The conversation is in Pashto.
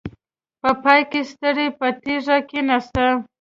په پای کې ستړې په تيږه کېناسته.